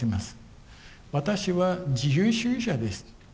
「私は自由主義者です。